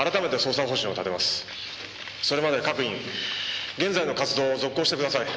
それまで各員現在の活動を続行してください。